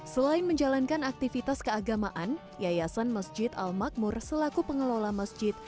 selain menjalankan aktivitas keagamaan yayasan masjid al makmur selaku pengelola masjid